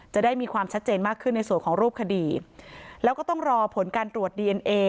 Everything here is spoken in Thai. จะได้มีความชัดเจนมากขึ้นในส่วนของรูปคดีแล้วก็ต้องรอผลการตรวจดีเอ็นเอ